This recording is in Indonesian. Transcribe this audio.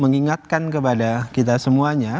mengingatkan kepada kita semuanya